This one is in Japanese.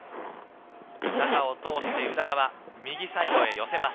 中を通して宇田川、右サイドへ寄せます。